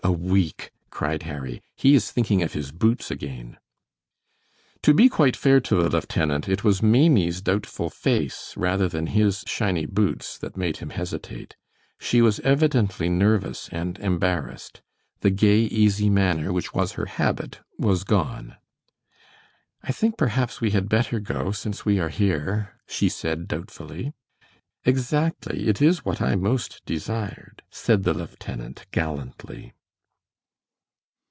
A week!" cried Harry. "He is thinking of his boots again." To be quite fair to the lieutenant, it was Maimie's doubtful face, rather than his shiny boots, that made him hesitate. She was evidently nervous and embarrassed. The gay, easy manner which was her habit was gone. "I think perhaps we had better go, since we are here," she said, doubtfully. "Exactly; it is what I most desired," said the lieutenant, gallantly.